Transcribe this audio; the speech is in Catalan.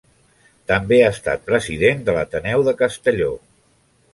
També ha estat president de l'Ateneu de Castelló.